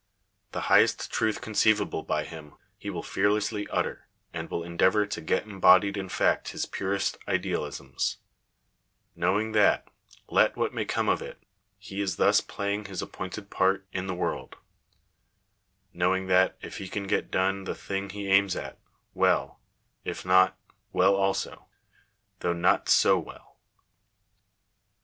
The highest truth conceivable by him he will fearlessly utter ; and will endeavour to get embodied in fact his purest idealisms : knowing that, let what may come of it, he is thus playing his appointed part in the world — knowing that, if he can get done the thing he aims at — well : if not — well also ; though not so well.